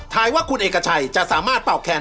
ว่าคุณเอกชัยจะสามารถเป่าแคน